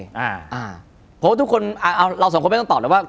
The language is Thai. เพราะว่าทุกคนเราสองคนไม่ต้องตอบแล้วว่า